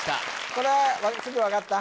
これはすぐ分かった？